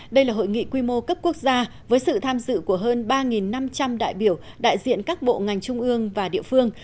đây là hội nghị quy mô cấp quốc gia với sự tham dự của hơn ba năm trăm linh đại biểu đại diện các bộ ngành trung ương và địa phương